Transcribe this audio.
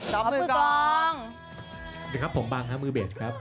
สวัสดีครับผมบางนะมือเบสครับ